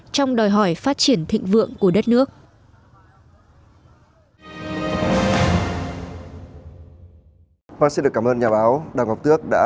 trong đòi hỏi phát triển thịnh vượng của đất nước